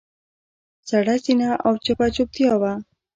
سړه سینه او چپه چوپتیا وه.